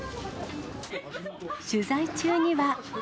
取材中には。